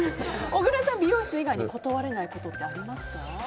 小倉さん、美容室以外に断れないことはありますか。